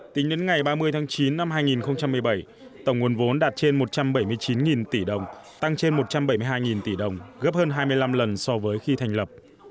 tính đến ngày ba mươi tháng chín năm hai nghìn một mươi bảy tổng nguồn vốn đạt trên một trăm bảy mươi chín tỷ đồng tăng trên một trăm bảy mươi hai tỷ đồng gấp hơn hai mươi năm lần so với khi thành lập